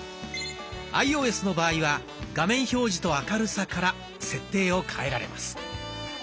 アイオーエスの場合は「画面表示と明るさ」から設定を変えられます。